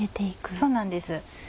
そうなんです。